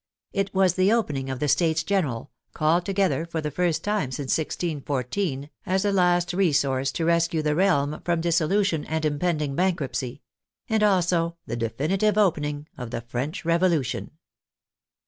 It was the opening of the States General, called together for the first time since 16 14, as a last resource to rescue the realm from dissolution and impending bankruptcy — and also the definitive opening of the French Revolution.